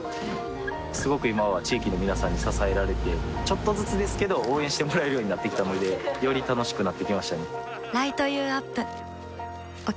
すごく今は地域の皆さんに支えられてちょっとずつですけど応援してもらえるようになってきたのでより楽しくなってきましたね